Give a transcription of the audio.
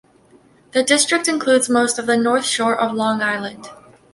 The district includes most of the North Shore of Long Island.